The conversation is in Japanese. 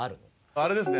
あれですね